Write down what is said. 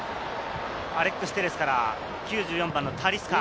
アレックス・テレスから９４番のタリスカ。